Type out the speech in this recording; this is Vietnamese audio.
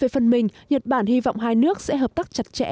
về phần mình nhật bản hy vọng hai nước sẽ hợp tác chặt chẽ